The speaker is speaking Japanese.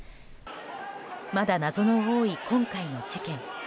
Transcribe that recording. まだ謎の多い今回の事件。